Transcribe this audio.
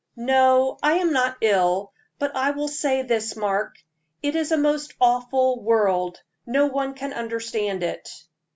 "No, I am not ill; but I will say this, Mark, it is a most awful world no one can understand it."